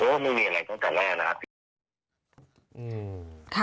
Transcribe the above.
เพราะมันมีอะไรต้องการแน่นะครับ